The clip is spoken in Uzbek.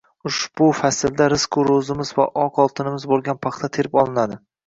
Ushbu faslda rizqu ro‘zimiz va oq oltinimiz bo‘lgan paxta terib olinadi